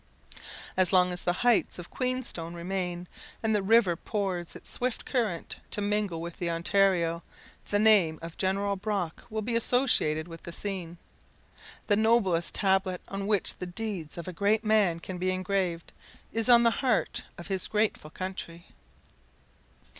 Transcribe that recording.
As long as the heights of Queenstone remain, and the river pours its swift current to mingle with the Ontario, the name of General Brock will be associated with the scene. The noblest tablet on which the deeds of a great man can be engraved, is on the heart of his grateful country.